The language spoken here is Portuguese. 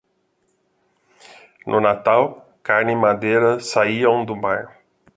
No Natal, carne e madeira saíam do mar.